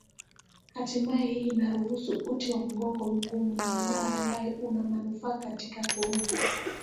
Hatimaye hii inaruhusu uti wa mgongo mgumu na imara ambayo una manufaa katika kuruka.